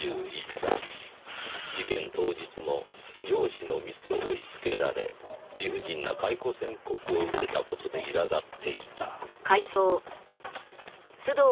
事件当日も上司のミスを押し付けられ理不尽な解雇宣告を受けた事でいらだっていた。